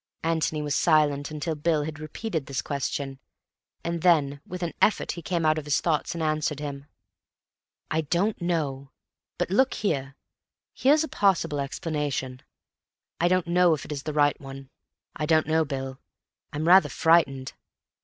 Antony was silent until Bill had repeated his question, and then with an effort he came out of his thoughts and answered him. "I don't know. But look here. Here is a possible explanation. I don't know if it is the right one—I don't know, Bill; I'm rather frightened.